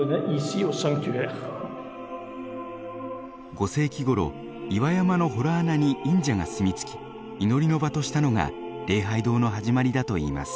５世紀ごろ岩山の洞穴に隠者が住み着き祈りの場としたのが礼拝堂の始まりだといいます。